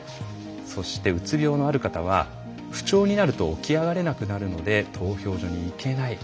そしてうつ病のある方は不調になると起き上がれなくなるので投票所に行けない。